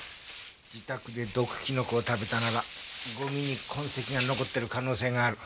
自宅で毒キノコを食べたならゴミに痕跡が残ってる可能性がある。